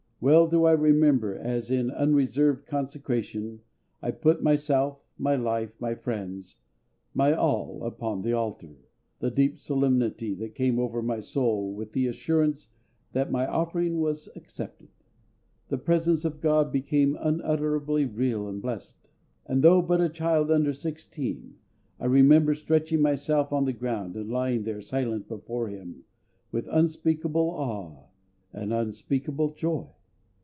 Well do I remember, as in unreserved consecration I put myself, my life, my friends, my all, upon the altar, the deep solemnity that came over my soul with the assurance that my offering was accepted. The presence of GOD became unutterably real and blessed; and though but a child under sixteen, I remember stretching myself on the ground, and lying there silent before Him with unspeakable awe and unspeakable joy.